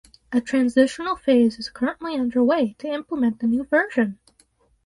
A transitional phase is currently underway to implement the new version.